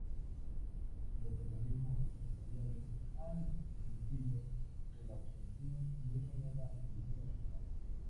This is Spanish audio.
Los organismos empresariales han insistido en la obtención de una nueva cultura laboral.